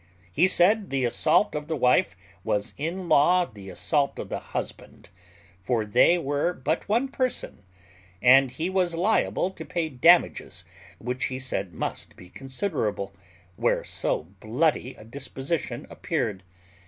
He said the assault of the wife was in law the assault of the husband, for they were but one person; and he was liable to pay damages, which he said must be considerable, where so bloody a disposition appeared.